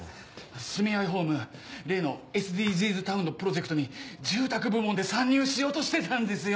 住愛ホーム例のＳＤＧｓタウンのプロジェクトに住宅部門で参入しようとしてたんですよ。